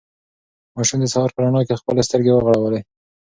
ماشوم د سهار په رڼا کې خپلې سترګې وغړولې.